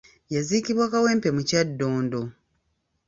Yaziikibwa Kawempe mu Kyaddondo.